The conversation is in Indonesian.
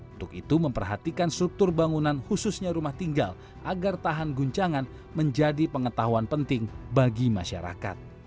untuk itu memperhatikan struktur bangunan khususnya rumah tinggal agar tahan goncangan menjadi pengetahuan penting bagi masyarakat